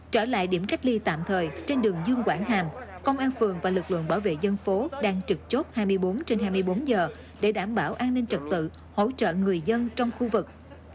trở lại điểm cách ly tạm thời trên đường dương quảng hàm công an phường và lực lượng bảo vệ dân phố đang trực chốt hai mươi bốn trên hai mươi bốn giờ để đảm bảo an ninh trật tự hỗ trợ người dân trong khu vực